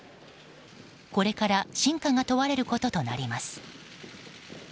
これから真価が問われることとなります。